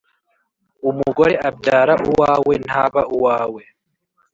Umugore abyara uwawe ntaba uwawe.